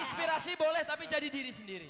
inspirasi boleh tapi jadi diri sendiri